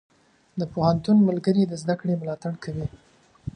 د پوهنتون ملګري د زده کړې ملاتړ کوي.